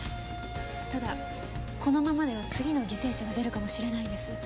ただこのままでは次の犠牲者が出るかもしれないのです。